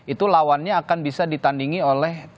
itu lawannya akan bisa ditandingi oleh